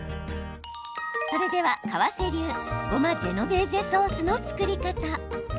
それでは、河瀬流ごまジェノベーゼソースの作り方。